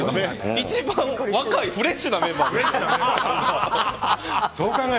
一番若いフレッシュなメンバーですよ！